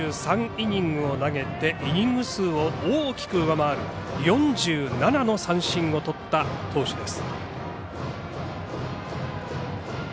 ３３イニングを投げてイニング数を大きく上回る４７の三振をとった投手。